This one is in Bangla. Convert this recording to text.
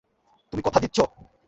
তুমি কথা দিচ্ছ?